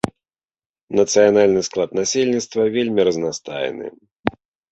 Нацыянальны склад насельніцтва вельмі разнастайны.